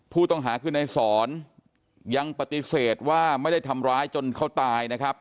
ผู้ต้องหาคือในสอนยังปฏิเสธว่าไม่ได้ทำร้ายจนเขาตายนะครับ